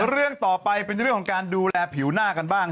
เรื่องต่อไปเป็นเรื่องของการดูแลผิวหน้ากันบ้าง